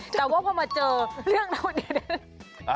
แต่ว่าพอมาเจอเรื่องเหล่านี้นะ